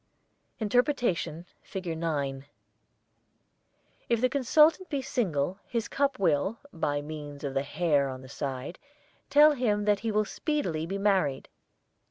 INTERPRETATION FIG. 9 If the consultant be single this cup will, by means of the hare on the side, tell him that he will speedily be married.